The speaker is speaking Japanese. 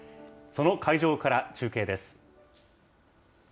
その会場から中継です。